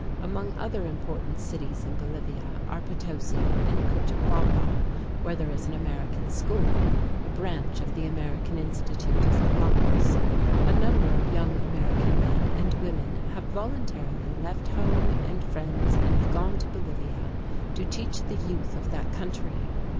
Among other important cities in Bolivia are Potosí, and Cochabamba, where there is an American school, a branch of the American Institute of La Paz. A number of young American men and women have voluntarily left home and friends and have gone to Bolivia to teach the youth of that country.